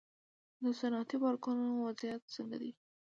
د صنعتي پارکونو وضعیت څنګه دی؟